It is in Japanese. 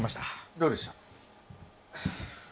どうでした？